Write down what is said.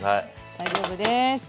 大丈夫です。